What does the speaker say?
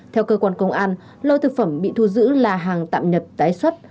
theo cơ quan công an lô thực phẩm bị thu giữ là hàng tạm nhập tái xuất